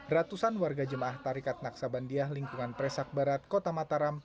ratusan warga jemaah tarikat naksabandia lingkungan presak barat kota mataram